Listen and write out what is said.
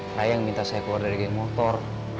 saya yang minta saya keluar dari geng motor